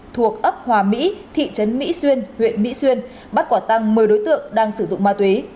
thuộc ấp hòa mỹ thị trấn mỹ xuyên huyện mỹ xuyên bắt quả tăng một mươi đối tượng đang sử dụng ma túy